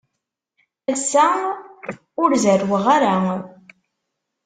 Ass-a, ur zerrweɣ ara.